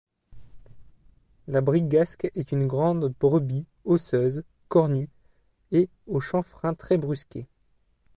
La brigasque est une grande brebis osseuse, cornue et au chanfrein très busqué.